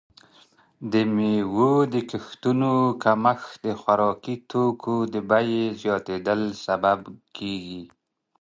د میوو د کښتونو کمښت د خوراکي توکو د بیې زیاتیدل سبب کیږي.